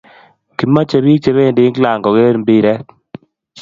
Kimache pik che pendi England koker mpiret